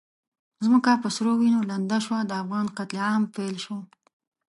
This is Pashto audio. ځمکه په سرو وینو لنده شوه، د افغان قتل عام پیل شو.